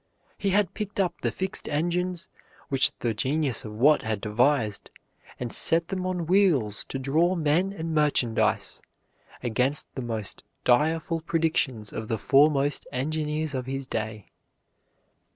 He had picked up the fixed engines which the genius of Watt had devised, and set them on wheels to draw men and merchandise, against the most direful predictions of the foremost engineers of his day.